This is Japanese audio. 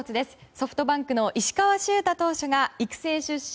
ソフトバンクの石川柊太投手が育成出身